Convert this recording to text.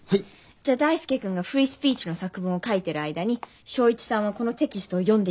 じゃあ大介君がフリースピーチの作文を書いてる間に省一さんはこのテキストを読んでいてください。